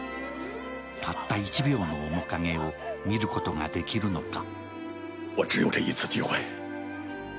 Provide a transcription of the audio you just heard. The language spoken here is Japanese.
たった１秒の面影を見ることができるのか。